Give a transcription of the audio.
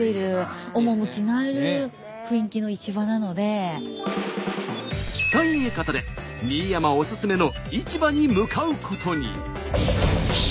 えっと。ということで新山おすすめの市場に向かうことに。